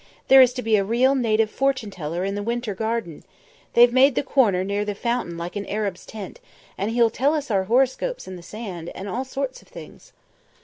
There is to be a real native fortune teller in the Winter Garden. They've made the corner near the fountain like an Arab's tent, and he'll tell us our horoscopes in the sand, and all sorts of things."